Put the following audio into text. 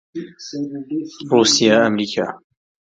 Common flute sizes are "A", "B", "C", "E" and "F" or microflute.